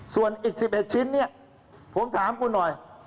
ส่วนอีก๑๑ชิ้นเนี่ยผมถามคุณหน่อย